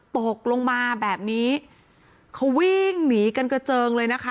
ตกลงมาแบบนี้เขาวิ่งหนีกันกระเจิงเลยนะคะ